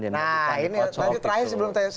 nah ini tadi terakhir sebelum saya buka